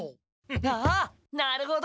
ああなるほど。